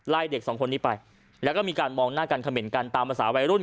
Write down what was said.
เด็กสองคนนี้ไปแล้วก็มีการมองหน้ากันเขม่นกันตามภาษาวัยรุ่น